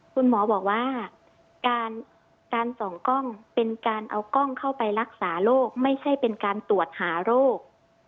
คุณหมอบอกว่าการส่องกล้องเป็นการเอากล้องเข้าไปรักษาโรคไม่ใช่เป็นการตรวจหาโรค